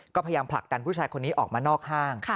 ก็พยายามผลักดันผู้ชายคนนี้ออกมานอกห้าง